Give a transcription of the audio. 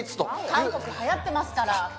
韓国、はやってますから！